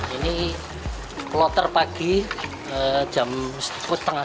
ini kloter pagi jam setengah